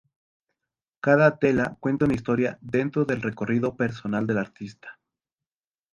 Cada tela cuenta una historia dentro del recorrido personal de la artista.